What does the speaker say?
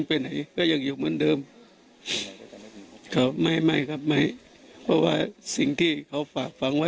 ซึ่งคดีนี้นะคะ